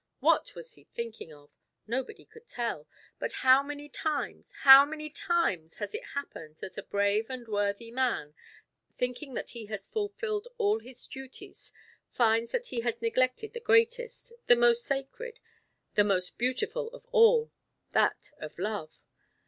What was he thinking of? Nobody could tell; but how many times, how many times has it happened that a brave and worthy man, thinking that he had fulfilled all his duties, finds that he has neglected the greatest, the most sacred, the most beautiful of all that of love.